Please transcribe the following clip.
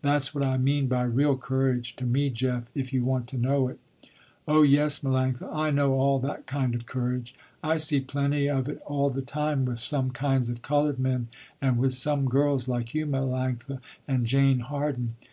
That's what I mean by real courage, to me, Jeff, if you want to know it." "Oh, yes, Melanctha, I know all that kind of courage. I see plenty of it all the time with some kinds of colored men and with some girls like you Melanctha, and Jane Harden.